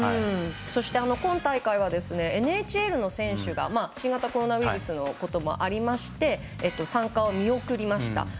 そして今大会はＮＨＬの選手が新型コロナウイルスのこともあって参加を見送りました。